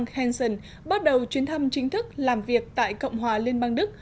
kenson bắt đầu chuyến thăm chính thức làm việc tại cộng hòa liên bang đức